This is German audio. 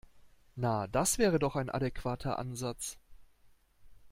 Na, das wäre doch ein adäquater Ansatz.